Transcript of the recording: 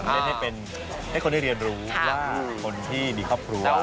เล่นให้เป็นให้คนที่เรียนรู้ว่าคนที่มีครอบครัว